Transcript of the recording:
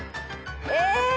え！